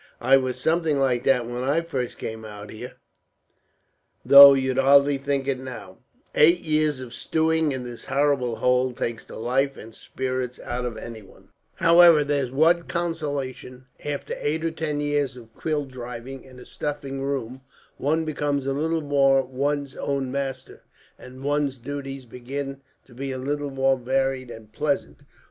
"I was something like that, when I first came out here, though you'd hardly think it now. Eight years of stewing, in this horrible hole, takes the life and spirits out of anyone. "However, there's one consolation. After eight or ten years of quill driving in a stuffy room, one becomes a little more one's own master, and one's duties begin to be a little more varied and pleasant.